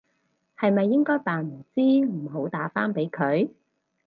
係咪應該扮唔知唔好打返俾佢？